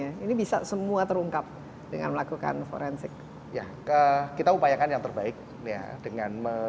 ini bisa semua terungkap dengan melakukan forensik ya kita upayakan yang terbaik ya dengan